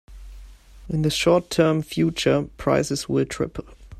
In the short term future, prices will triple.